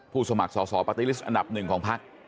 ผู้สมัครศอสอแปตติฤษฐ์อำนับหนึ่งของภัคดิ์